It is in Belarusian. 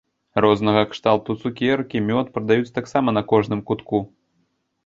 Рознага кшталту цукеркі, мёд прадаюць таксама на кожным кутку.